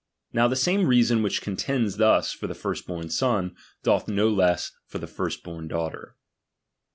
Now the same reason which contends thus for the first born son, doth no less for the first born daughter.